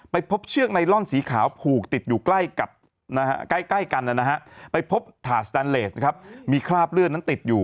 ไปพบเชือกไนลอนสีขาวผูกติดอยู่ใกล้กัน